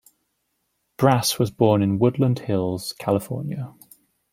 Brass was born in Woodland Hills, California.